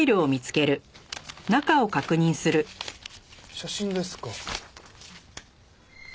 写真ですか。